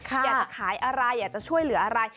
อยากจะขายอะไรอยากจะช่วยเหลืออะไร